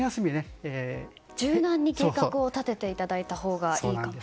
柔軟に計画を立てていただいたほうがいいです。